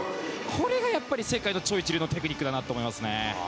これが世界の超一流のテクニックだと思いますね。